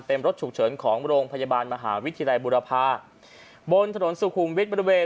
เป็นรถฉุกเฉินของโรงพยาบาลมหาวิทยาลัยบุรพาบนถนนสุขุมวิทย์บริเวณ